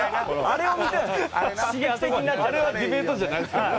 あれはディベートじゃないですからね。